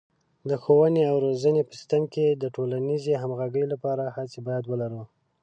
د ښوونې او روزنې په سیستم کې د ټولنیزې همغږۍ لپاره هڅې باید ولرو.